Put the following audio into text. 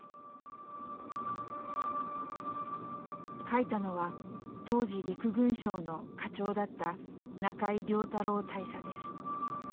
書いたのは当時陸軍省の課長だった中井良太郎大佐です。